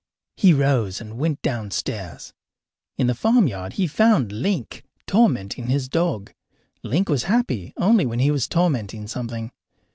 He rose and went downstairs. In the farmyard he found Link tormenting his dog. Link was happy only when he was tormenting something.